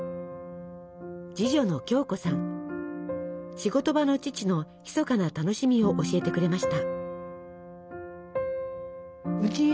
仕事場の父の秘かな楽しみを教えてくれました。